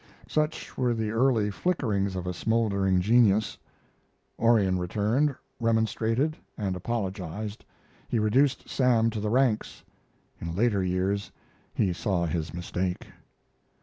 Such were the early flickerings of a smoldering genius. Orion returned, remonstrated, and apologized. He reduced Sam to the ranks. In later years he saw his mistake.